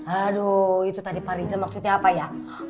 aduh itu tadi pak riza maksudnya apa ya